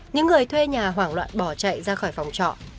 những người thuê nhà hoảng loạn bỏ chạy ra khỏi phòng trọ